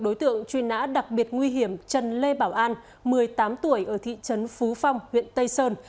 đối tượng truy nã đặc biệt nguy hiểm trần lê bảo an một mươi tám tuổi ở thị trấn phú phong huyện tây sơn